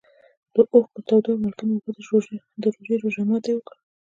د اوښکو تودو او مالګینو اوبو د روژې روژه ماتي وکړ.